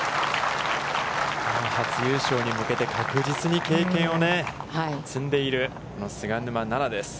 初優勝に向けて確実に経験を積んでいる、菅沼菜々です。